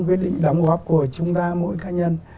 quyết định đóng góp của chúng ta mỗi cá nhân